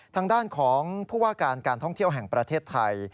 ทางด้านของผู้ว่าการการท่องเที่ยวแห่งประเทศไทย